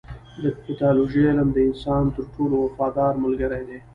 د پیتالوژي علم د انسان تر ټولو وفادار ملګری دی.